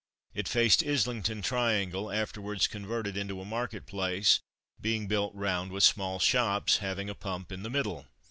It faced Islington Triangle, afterwards converted into a market place, being built round with small shops, having a pump in the middle.